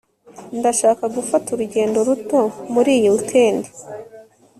ndashaka gufata urugendo ruto muri iyi weekend